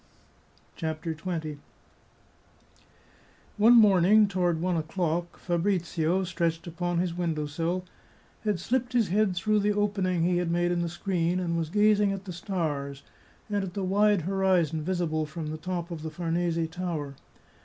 359 CHAPTER XX One morning, toward one o'clock, Fabrizio, stretched upon his window sill, had slipped his head through the open ing he had made in the screen, and was gazing at the stars, and at the wide horizon visible from the top of the Farnese Tower.